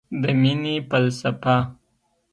د مینې فلسفه